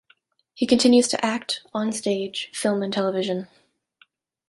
He continues to act, on stage, film and television.